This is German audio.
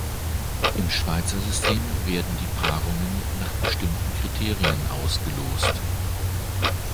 Im Schweizer System werden die Paarungen nach bestimmten Kriterien ausgelost.